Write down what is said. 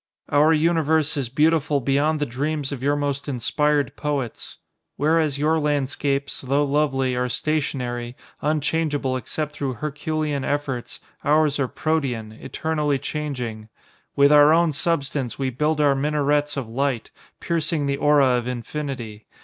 "Our universe is beautiful beyond the dreams of your most inspired poets. Whereas your landscapes, though lovely, are stationary, unchangeable except through herculean efforts, ours are Protean, eternally changing. With our own substance, we build our minarets of light, piercing the aura of infinity.